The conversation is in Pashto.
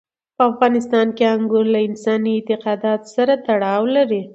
په افغانستان کې انګور له انساني اعتقاداتو سره تړاو لري.